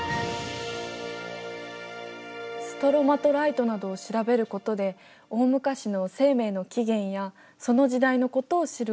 ストロマトライトなどを調べることで大昔の生命の起源やその時代のことを知ることができる。